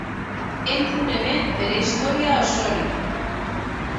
Entzun hemen bere historia osorik!